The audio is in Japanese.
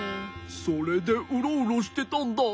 それでウロウロしてたんだ。